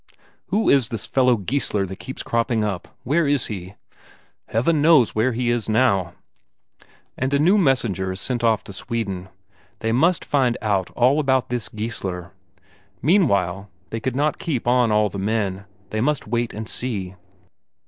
"Who is this fellow Geissler that keeps cropping up? Where is he?" "Heaven knows where he is now!" And a new messenger is sent off to Sweden. They must find out all about this Geissler. Meanwhile, they could not keep on all the men; they must wait and see.